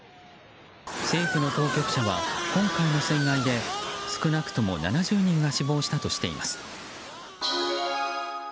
政府の当局者は、今回の水害で少なくとも７０人が死亡したとしています。